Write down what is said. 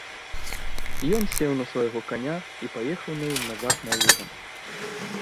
Ён сеў на свайго каня і паехаў на ім назад на выган.